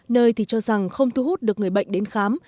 nơi thì cho rằng không thu hút được người bệnh đến khám